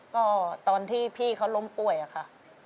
ก็ตอนที่พี่เขาล้มป่วยอะค่ะ